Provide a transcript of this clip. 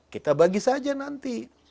kita bagi saja nanti